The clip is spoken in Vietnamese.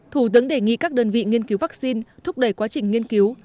thủ tướng đề nghị các đơn vị nghiên cứu vaccine thúc đẩy quá trình nghiên cứu